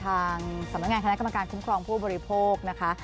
ทางสำนักงานคณะกรรมการคุ้มครองผู้บริโภคนะคะ